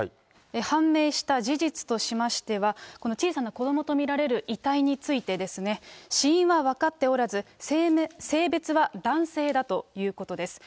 判明した事実としましては、この小さな子どもと見られる遺体についてですね、死因は分かっておらず、性別は男性だということです。